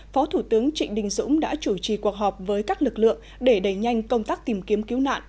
phó thủ tướng trịnh đình dũng đã chủ trì cuộc họp với các lực lượng để đẩy nhanh công tác tìm kiếm cứu nạn